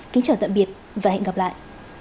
kính chào tạm biệt và hẹn gặp lại